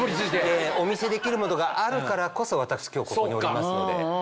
お見せできるものがあるからこそ私今日ここにおりますので。